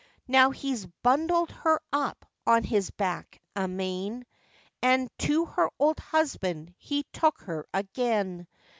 Now he's bundled her up on his back amain, And to her old husband he took her again.